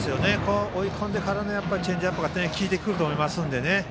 追い込んでからのチェンジアップが効いてくると思いますのでね。